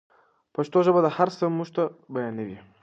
پښتو ژبه دا هر څه موږ ته بیانوي.